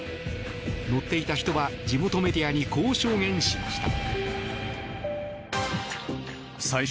乗っていた人は、地元メディアにこう証言しました。